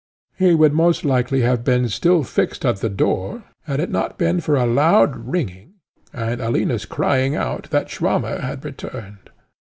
He would most likely have been still fixed at the door, had it not been for a loud ringing, and Alina's crying out that Swammer had returned.